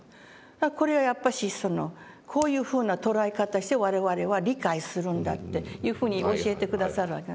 これはやっぱしこういうふうな捉え方して我々は理解するんだというふうに教えて下さるわけ。